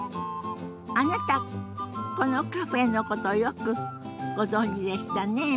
あなたこのカフェのことよくご存じでしたね。